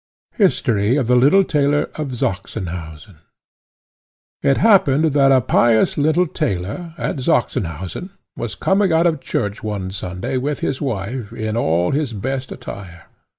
History of the Little Tailor of Sachsenhausen. It happened that a pious little tailor, at Sachsenhausen, was coming out of church one Sunday with his wife, in all his best attire.